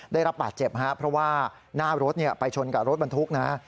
ได้รับบัตรเจ็บเพราะว่าหน้ารถไปชนกับรถบันทุกนะฮะ